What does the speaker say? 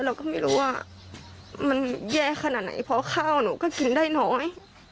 เราก็ไม่รู้ว่ามันแย่ขนาดไหนเพราะข้าวหนูก็กินได้น้อย